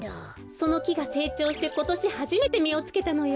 そのきがせいちょうしてことしはじめてみをつけたのよ。